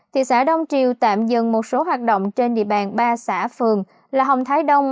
thị xã đông triều tạm dừng một số hoạt động trên địa bàn ba xã phường là hồng thái đông